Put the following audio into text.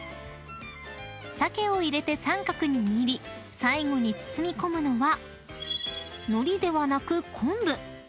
［鮭を入れて三角に握り最後に包み込むのは海苔ではなく］